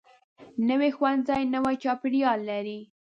نوی ښوونځی نوی چاپیریال لري